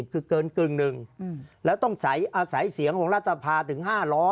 คือเกินกึ่งหนึ่งแล้วต้องอาศัยเสียงของรัฐภาถึง๕ล้อ